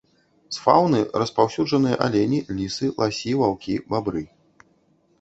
З фаўны распаўсюджаныя алені, лісы, ласі, ваўкі, бабры.